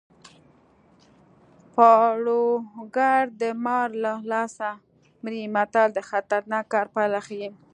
پاړوګر د مار له لاسه مري متل د خطرناک کار پایله ښيي